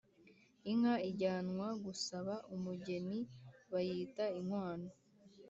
Inka ijyanwa gusaba umugenibayita inkwano